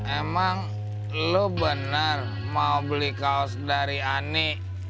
emang lo benar mau beli kaos dari ani